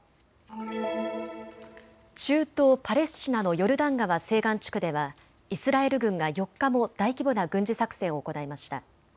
中東パレスチナのヨルダン川西岸地区ではイスラエル軍が４日も大規模な軍事作戦を行いました。